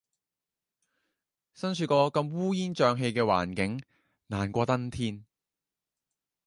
身處個咁烏煙瘴氣嘅環境，難過登天